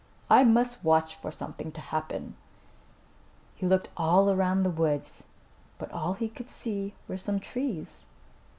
I must watch for something to happen." He looked all around the woods, but all he could see were some trees.